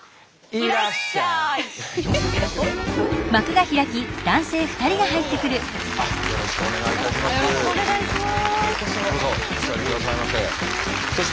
よろしくお願いします。